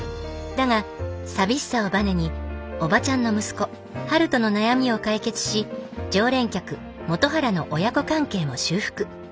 だが寂しさをバネにオバチャンの息子陽斗の悩みを解決し常連客本原の親子関係も修復。